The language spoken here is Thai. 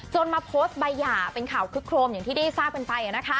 มาโพสต์ใบหย่าเป็นข่าวคึกโครมอย่างที่ได้ทราบกันไป